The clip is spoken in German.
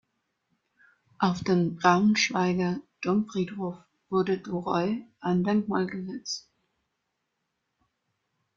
Auf dem Braunschweiger Domfriedhof wurde du Roi ein Denkmal gesetzt.